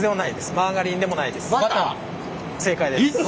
マーガリンでもないです。